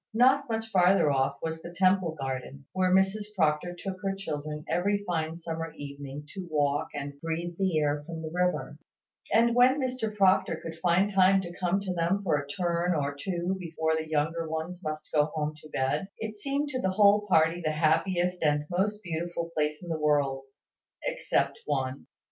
Not much farther off was the Temple Garden, where Mrs Proctor took her children every fine summer evening to walk and breathe the air from the river; and when Mr Proctor could find time to come to them for a turn or two before the younger ones must go home to bed, it seemed to the whole party the happiest and most beautiful place in the whole world, except one.